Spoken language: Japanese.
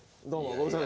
ご無沙汰。